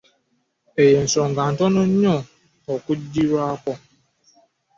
Eyo ensonga ntono nnyo okugirwaako.